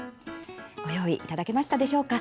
ご用意いただけましたでしょうか。